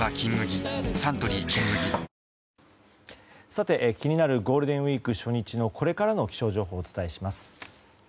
さて、気になるゴールデンウィーク初日のこれからの気象情報をお伝えします。